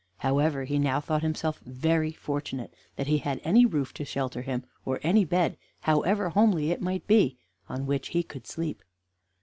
However, he now thought himself very fortunate that he had any roof to shelter him, or any bed, however homely it might be, on which he could sleep.